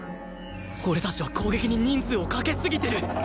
俺たちは攻撃に人数をかけすぎてる